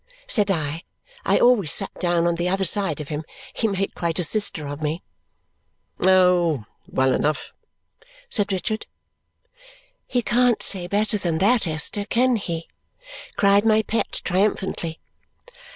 said I. I always sat down on the other side of him. He made quite a sister of me. "Oh! Well enough!" said Richard. "He can't say better than that, Esther, can he?" cried my pet triumphantly.